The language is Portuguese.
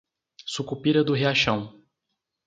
Sucupira do Riachão